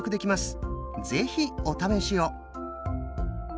是非お試しを！